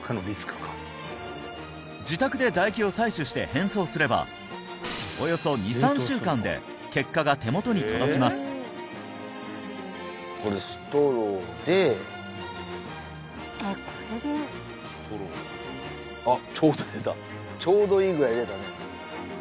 自宅で唾液を採取して返送すればおよそ２３週間で結果が手元に届きますストローであっちょうど出たちょうどいいぐらい出たね